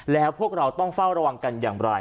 แล้วพวกเราต้องเฝ้าระวังกันอย่างไร